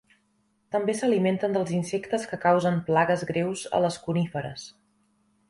També s'alimenten dels insectes que causen plagues greus a les coníferes